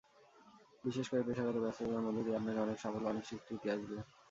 বিশেষ করে পেশাগত ব্যস্ততার মধ্য দিয়ে আপনার অনেক সাফল্য, অনেক স্বীকৃতি আসবে।